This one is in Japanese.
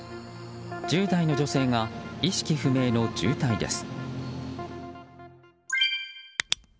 １０代の女性が意識不明の重体です。